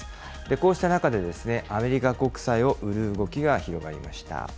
こうした中で、アメリカ国債を売る動きが広がりました。